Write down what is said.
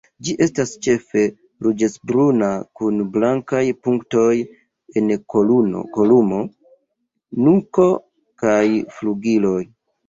Ĝi estas ĉefe ruĝecbruna kun blankaj punktoj en kolumo, nuko kaj flugiloj.